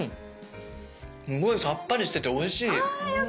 すごいさっぱりしてておいしい！